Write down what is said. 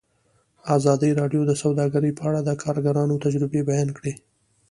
ازادي راډیو د سوداګري په اړه د کارګرانو تجربې بیان کړي.